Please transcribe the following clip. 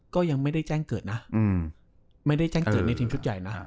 ก็ยังไม่ได้แจ้งเกิดนะไม่ได้แจ้งเกิดในทีมชุดใหญ่นะฮะ